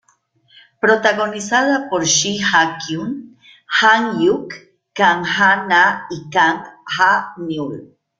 Protagonizada por Shin Ha-kyun, Jang Hyuk, Kang Han-na y Kang Ha-neul.